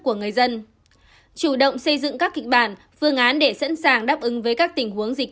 của người dân chủ động xây dựng các kịch bản phương án để sẵn sàng đáp ứng với các tình huống dịch